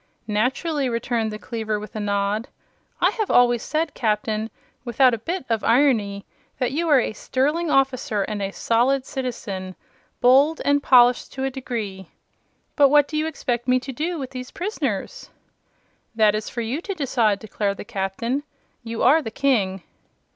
"Naturally," returned the cleaver, with a nod. "I have always said, Captain, without a bit of irony, that you are a sterling officer and a solid citizen, bowled and polished to a degree. But what do you expect me to do with these prisoners?" "That is for you to decide," declared the Captain. "You are the King."